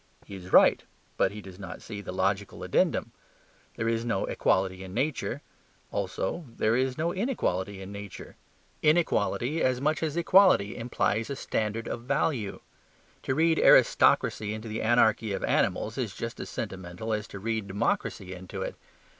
He is right, but he does not see the logical addendum. There is no equality in nature; also there is no inequality in nature. Inequality, as much as equality, implies a standard of value. To read aristocracy into the anarchy of animals is just as sentimental as to read democracy into it.